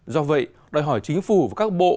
do vậy đòi hỏi chính phủ và các bộ